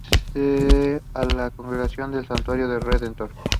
Pertenecía a la Congregación del Santísimo Redentor.